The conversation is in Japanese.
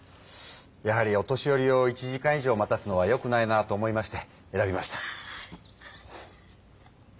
やはりお年寄りを１時間以上待たすのはよくないなと思いまして選びました。